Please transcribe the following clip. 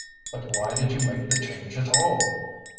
"But why did you make the change at all?"